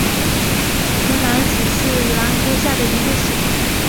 唇兰属是兰科下的一个属。